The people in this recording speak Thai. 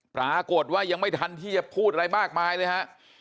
ปรากฏว่ายังไม่ทันที่จะพูดอะไรมากมายเลยฮะ